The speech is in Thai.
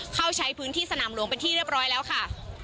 เข้าใช้พื้นที่สนามหลวงเป็นที่เรียบร้อยแล้วค่ะ